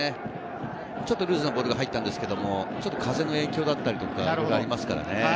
ちょっとルーズなボールが入ったんですけど、風の影響だったりとかがありますからね。